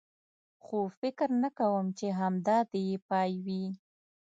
خو فکر نه کوم، چې همدا دی یې پای وي.